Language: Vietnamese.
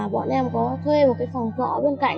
gọi kênh thương của anh văn trọng